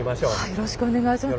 よろしくお願いします。